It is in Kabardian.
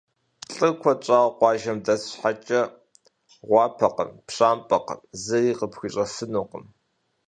ЛӀыр куэд щӀауэ къуажэм дэс щхьэкӀэ, гъуапэкъым, пщампӀэкъым, зыри къыпхуищӀэфынукъым.